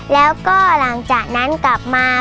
แล้วก็หลังจากนั้นกลับมา